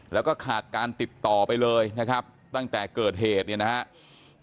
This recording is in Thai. แล้วก็ขาดการติดต่อไปเลยนะครับตั้งแต่เกิดเหตุเนี่ยนะครับ